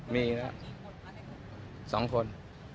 มีแล้วสองคน